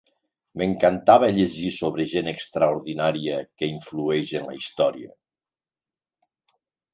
M'encantava llegir sobre gent extraordinària que influeix en la història.